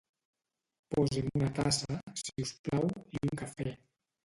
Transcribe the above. Posi'm una tassa, si us plau, i un cafè.